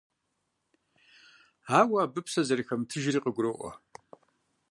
Ауэ абы псэ зэрыхэмытыжри къыгуроӀуэ.